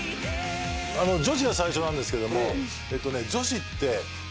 女子が最初なんですけども。